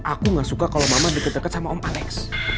aku gak suka kalau mama deket deket sama om alex